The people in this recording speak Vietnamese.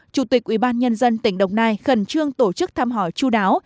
chủ tịch ubnd tỉnh đồng nai khẩn trương tổ chức thăm hỏi chú đáo